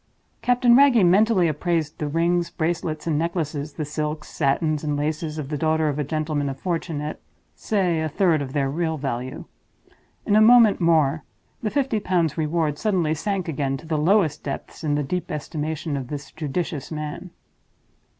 Captain Wragge mentally appraised the rings, bracelets, and necklaces, the silks, satins, and laces of the daughter of a gentleman of fortune, at—say, a third of their real value. In a moment more, the Fifty Pounds Reward suddenly sank again to the lowest depths in the deep estimation of this judicious man.